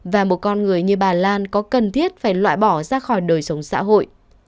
và một con người như bà lan có cần thiết phải loại bỏ ra khỏi đời sống xã hội